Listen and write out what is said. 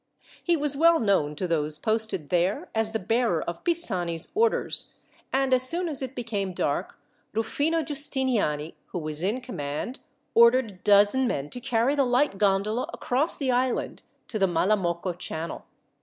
He was well known, to those posted there, as the bearer of Pisani's orders, and as soon as it became dark, Rufino Giustiniani, who was in command, ordered a dozen men to carry the light gondola across the island to the Malamocco channel.